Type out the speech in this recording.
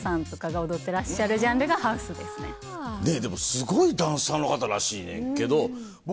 すごいダンサーの方らしいねんけど。